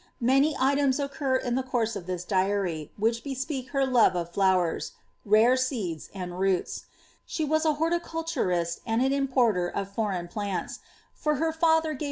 Many items occur in tiie course of this diary, which bespeak her love of flowers, rare seeds, and roots ; she was a horticul turist and an importer of foreign plants, for her father gave 10